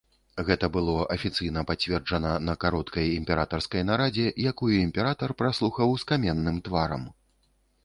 Гэта было афіцыйна пацверджана на кароткай імператарскай нарадзе, якую імператар праслухаў з каменным тварам.